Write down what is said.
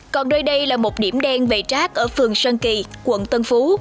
còn nơi đây là một điểm đen về trác ở phường sơn kỳ quận tân phú